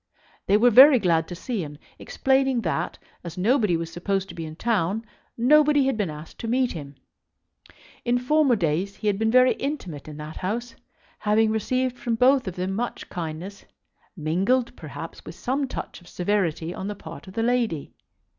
They were very glad to see him, explaining that, as nobody was supposed to be in town, nobody had been asked to meet him. In former days he had been very intimate in that house, having received from both of them much kindness, mingled, perhaps, with some touch of severity on the part of the lady.